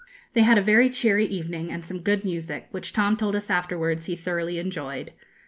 They had a very cheery evening, and some good music, which Tom told us afterwards he thoroughly enjoyed.